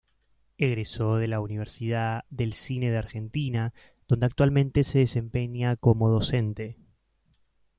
Egresó de la Universidad del Cine de Argentina, donde actualmente se desempeña como docente.